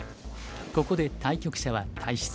ここで対局者は退室。